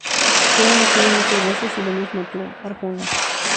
Yo he nacido muchas veces y lo mismo tú, Arjuna.